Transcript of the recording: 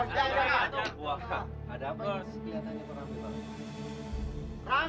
rangga harus diberi pelajaran